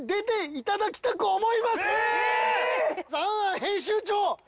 編集長！